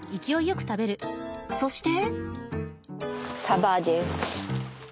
そして。